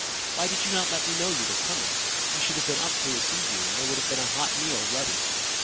Why did you not let me know you were coming ? I should have been up to receive you, and there would have been a hot meal ready.